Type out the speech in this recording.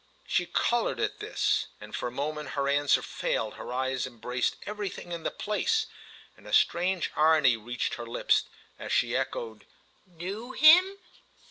She coloured at this and for a moment her answer failed; her eyes embraced everything in the place, and a strange irony reached her lips as she echoed: "Knew him?"